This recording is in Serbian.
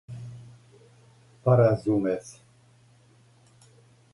Па, разуме се.